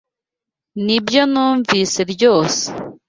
Nibyo numvise ryose.